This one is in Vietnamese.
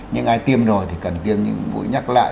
những ai tiêm rồi thì cần tiêm những mũi nhắc lại